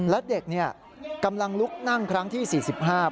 แล้วเด็กกำลังลุกนั่งครั้งที่๔๕ครั้ง